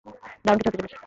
দারুণ কিছু হতে চলেছে।